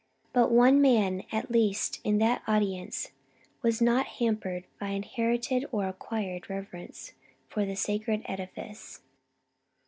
But one man at least in that audience was not hampered by inherited or acquired reverence for the sacred edifice.